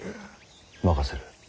任せる。